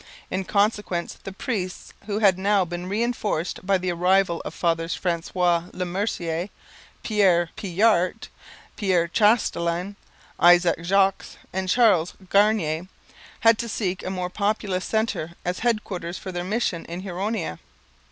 In consequence the priests, who had now been reinforced by the arrival of Fathers Francois Le Mercier, Pierre Pijart, Pierre Chastelain, Isaac Jogues, and Charles Garnier, had to seek a more populous centre as headquarters for their mission in Huronia.